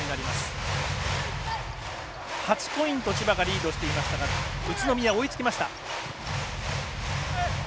８ポイント千葉がリードしていましたが宇都宮、追いつきました。